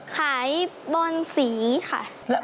ขายบอลสีค่ะ